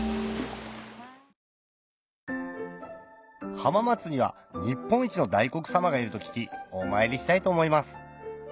浜松には日本一の大黒様がいると聞きお参りしたいと思います